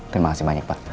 terima kasih banyak pak